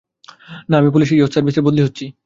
না, আমি পুলিশের ইয়ুথ সার্ভিসে বদলি হচ্ছি।